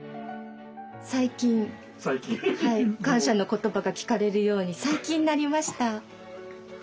最近感謝の言葉が聞かれるように最近なりました。